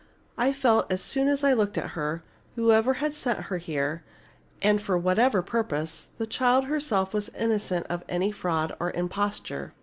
I felt as soon as I looked at her that, whoever had sent her here and for whatever purpose, the child herself was innocent of any fraud or imposture.